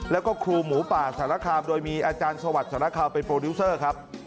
แล้วก็ครูหมูป่าสารคามโดยมีอาจารย์สวัสดิสารคามเป็นโปรดิวเซอร์ครับ